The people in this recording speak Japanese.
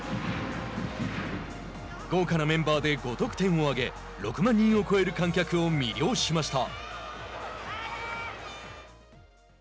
豪華なメンバーで５得点を挙げ６万人を超える観客を魅了しました。